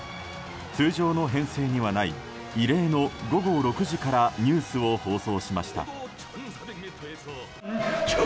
通常の編成にはない異例の午後６時からニュースを放送しました。